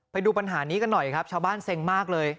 ไปดูปัญหานี้กันหน่อยครับชาวบ้านเซ็งมากเลย